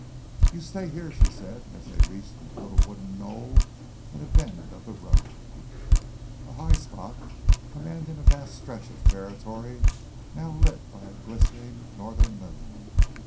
"You stay here," she said, as they reached a little wooded knoll in a bend of the road a high spot commanding a vast stretch of territory now lit by a glistening northern moon.